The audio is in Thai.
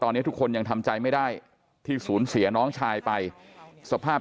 ตอนนี้ทุกคนยังทำใจไม่ได้ที่ศูนย์เสียน้องชายไปสภาพ